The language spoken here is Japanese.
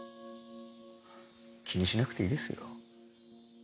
気にしなくていいですよ。